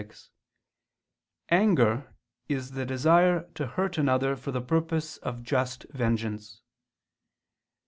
6), anger is the desire to hurt another for the purpose of just vengeance.